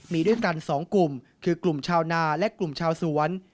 มีด้วยกัน๒กลุ่มคือกลุ่มชาวนาและกลุ่มชาวสวน